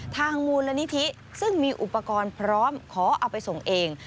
ทางมูลนิธิซึ่งมีอุปกรณ์พร้อมขอเอาไปส่งเอง